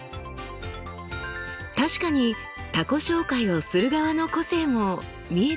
確かに他己紹介をする側の個性も見えてきそうですね。